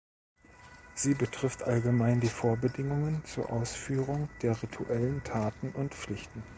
Sie betrifft allgemein die Vorbedingungen zur Ausführung der rituellen Taten und Pflichten.